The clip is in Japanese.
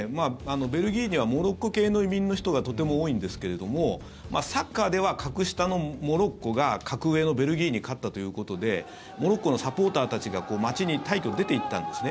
ベルギーにはモロッコ系の移民の人がとても多いんですけれどもサッカーでは格下のモロッコが格上のベルギーに勝ったということでモロッコのサポーターたちが街に大挙、出ていったんですね。